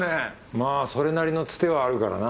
まぁそれなりのツテはあるからな。